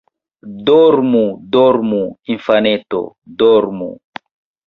Dormu, dormu, infaneto, Dormu!